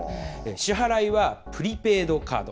支払いはプリペイドカード。